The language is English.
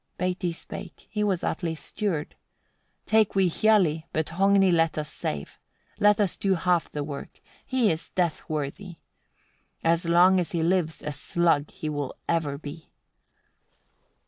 57. Beiti spake, he was Atli's steward Take we Hialli, but Hogni let us save. Let us do half the work; he is death worthy. As long as he lives a slug he will ever be.